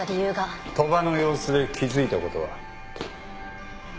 鳥羽の様子で気付いたことは？